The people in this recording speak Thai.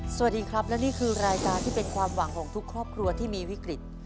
สวัสดีครับและนี่คือรายการที่เป็นความหวังของทุกครอบครัวที่มีวิกฤต